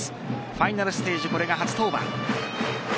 ファイナルステージこれが初登板。